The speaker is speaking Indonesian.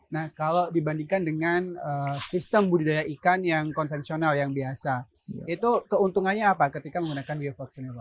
nah kalau dibandingkan dengan sistem budidaya ikan yang konvensional yang biasa itu keuntungannya apa ketika menggunakan biovac